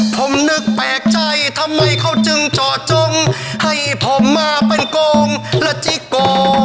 ผมนึกแปลกใจทำไมเขาจึงเจาะจงให้ผมมาเป็นโกงและจิโก